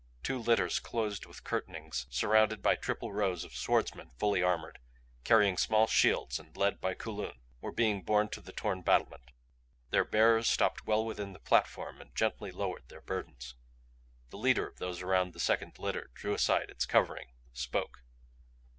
Two litters closed with curtainings, surrounded by triple rows of swordsmen fully armored, carrying small shields and led by Kulun were being borne to the torn battlement. Their bearers stopped well within the platform and gently lowered their burdens. The leader of those around the second litter drew aside its covering, spoke.